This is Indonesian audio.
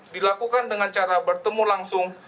dilakukan dengan cara bertemu langsung